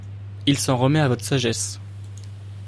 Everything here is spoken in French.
Il s’en remet à votre sagesse.